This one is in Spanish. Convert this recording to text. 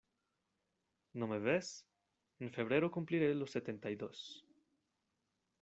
¿No me ves? en febrero cumpliré los setenta y dos.